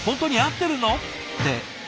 って。